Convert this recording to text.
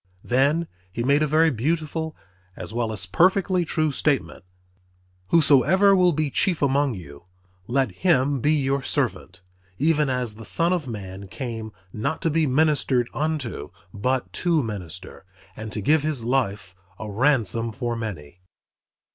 Then He made a very beautiful as well as perfectly true statement, "Whosoever will be chief among you, let him be your servant; even as the Son of man came not to be ministered unto, but to minister, and to give his life a ransom for many."